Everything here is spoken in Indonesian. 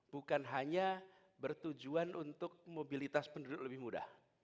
bukan hanya bertujuan untuk mobilitas penduduk lebih mudah